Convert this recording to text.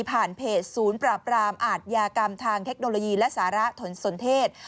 เพจศูนย์ปราบรามอาทยากรรมทางเทคโนโลยีและสาระถนนสนเทศ